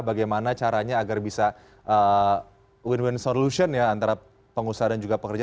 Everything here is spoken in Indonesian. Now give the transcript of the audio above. bagaimana caranya agar bisa win win solution ya antara pengusaha dan juga pekerja